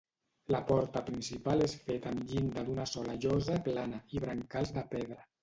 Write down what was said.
La porta principal és feta amb llinda d'una sola llosa plana i brancals de pedra.